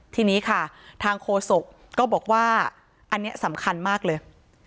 ทีนี้ค่ะทางโฆษกก็บอกว่าอันนี้สำคัญมากเลย